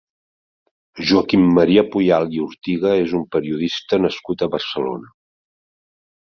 Joaquim Maria Puyal i Ortiga és un periodista nascut a Barcelona.